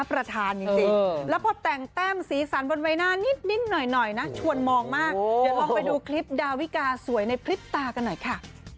ชวนมองมากเดี๋ยวองไปดูคลิปดาววิกาสวยในพริบตากันหน่อยค่ะ